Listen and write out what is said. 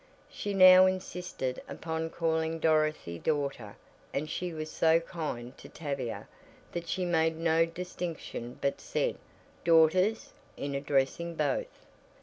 She now insisted upon calling Dorothy daughter and she was so kind to Tavia that she made no distinction but said "daughters" in addressing both.